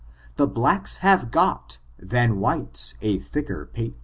The blacks have got, than whites, a thicker paio.